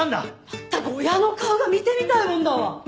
まったく親の顔が見てみたいもんだわ。